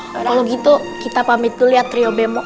kalau gitu kita pamit tuh lihat trio bemo